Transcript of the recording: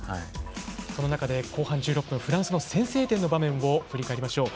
その中で後半１６分フランスの先制点の場面を振り返りましょう。